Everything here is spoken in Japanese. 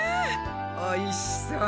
おいしそう。